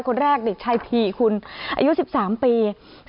คนแรกเด็กชายผีคุณอายุ๑๓ปี